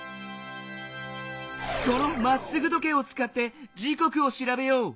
この「まっすぐ時計」をつかって時こくをしらべよう。